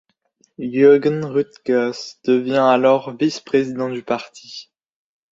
Jürgen Rüttgers devient alors vice-président du parti.